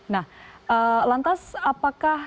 nah lantas apakah